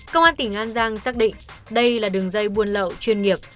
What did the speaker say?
công an tỉnh an giang xác định đây là đường dây buôn lậu chuyên nghiệp